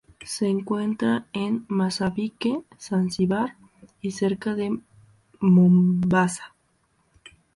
Se encuentra en Mozambique, Zanzíbar y cerca de Mombasa.